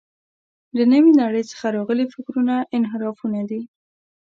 له نوې نړۍ څخه راغلي فکرونه انحرافونه دي.